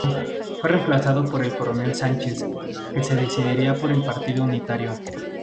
Fue reemplazado por el coronel Sánchez, que se decidiría por el partido unitario.